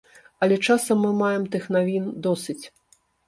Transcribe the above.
Але часам мы маем тых навін досыць.